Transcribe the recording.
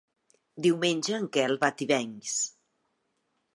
Diumenge en Quel va a Tivenys.